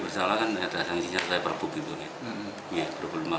bersalah kan ada yang bisa saya perbukit ya dua ratus lima puluh tujuh